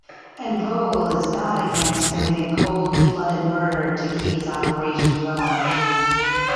And Vogel is not against committing cold-blooded murder to keep his operation going.